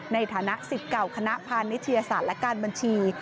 ในฐานะ๑๙คณะพาลนิทยาศาสตร์และการบัญชี